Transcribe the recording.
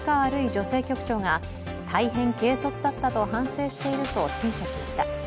女性局長が大変軽率だったと反省していると陳謝しました。